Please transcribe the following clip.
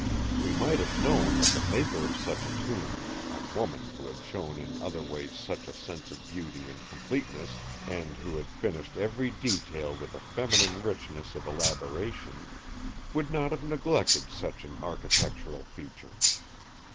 We might have known that the maker of such a tomb—a woman, who had shown in other ways such a sense of beauty and completeness, and who had finished every detail with a feminine richness of elaboration—would not have neglected such an architectural feature.